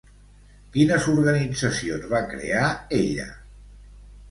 Quines organitzacions va crear ella?